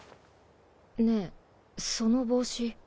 ねぇその帽子。